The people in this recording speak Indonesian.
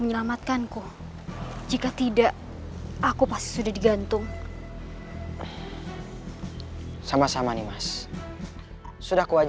ini tidak bisa dibiarkan